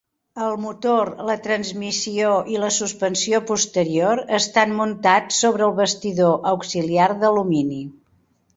El motor, la transmissió i la suspensió posterior estan muntats sobre el bastidor auxiliar d'alumini.